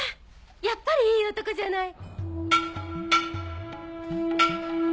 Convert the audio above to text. やっぱりいい男じゃない！